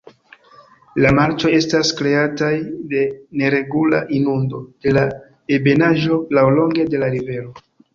La marĉoj estas kreataj de neregula inundo de la ebenaĵo laŭlonge de la rivero.